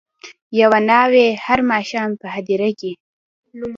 یوه ناوي هر ماښام په هدیره کي